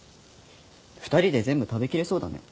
２人で全部食べきれそうだね。